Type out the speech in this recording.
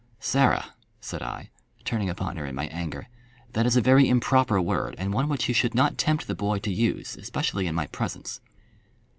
"Sarah," said I, turning upon her in my anger, "that is a very improper word, and one which you should not tempt the boy to use, especially in my presence."